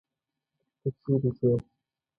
ته چيري ځې.